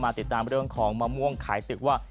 ติดตามเรื่องของมะม่วงขายตึกว่า